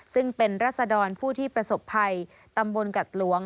ซึ่งเป็นรัศดรผู้ที่ประสบภัยตำบลกัดหลวง